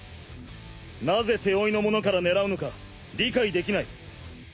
なぜ手負いの者から狙うのか理解できない。